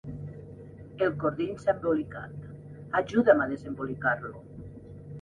El cordill s'ha embolicat: ajuda'm a desembolicar-lo!